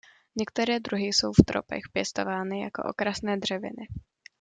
Některé druhy jsou v tropech pěstovány jako okrasné dřeviny.